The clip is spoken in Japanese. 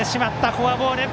フォアボール。